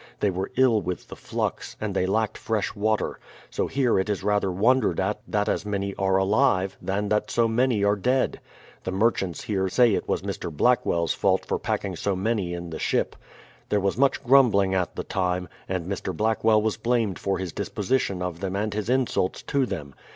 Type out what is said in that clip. They were ill with the flux, and they lacked fresh water ; so here it is rather wondered at that as many are alive, than that so many are dead. The mer chants here say it was Mr. Blackwell's fault for packing so many 32 BRADFORD'S HISTORY OF in the ship. There was much grumbling at the time, and Mr. Blackwell was blamed for his disposition of them and his insults to them.